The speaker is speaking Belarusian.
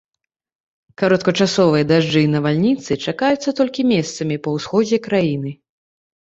Кароткачасовыя дажджы і навальніцы чакаюцца толькі месцамі па ўсходзе краіны.